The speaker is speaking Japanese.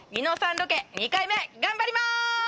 ロケ２回目頑張ります！